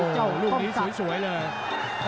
โอ้โหรูปนี้สวยเลย